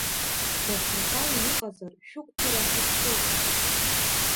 Даҽакала иҟазар шәықәԥара аҭаххозма?